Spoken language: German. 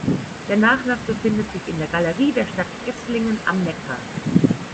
Der Nachlass befindet sich in der Galerie der Stadt Esslingen am Neckar.